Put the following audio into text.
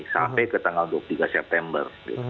sampai ke tanggal dua puluh tiga september